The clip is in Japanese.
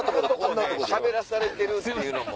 しゃべらされてるっていうのも。